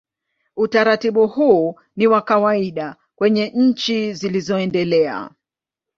Utaratibu huu ni wa kawaida kwenye nchi zilizoendelea.